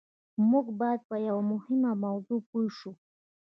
موږ بايد په يوه مهمه موضوع پوه شو.